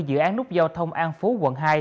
dự án nút giao thông an phú quận hai